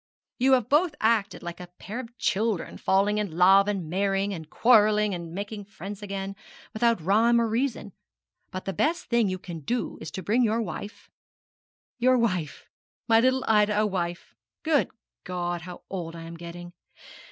You have both acted like a pair of children, falling in love and marrying, and quarrelling, and making friends again, without rhyme or reason; but the best thing you can do is to bring your wife your wife? my little Ida a wife? Good God, how old I am getting!